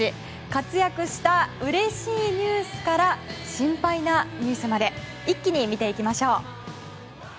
活躍したうれしいニュースから心配なニュースまで一気に見ていきましょう。